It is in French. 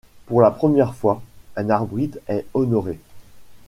Pour la première fois, un arbitre est honoré.